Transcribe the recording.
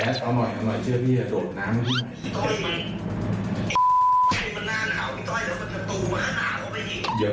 แจ๊ดเอาหน่อยเอาหน่อยเชื่อพี่จะโดดน้ำ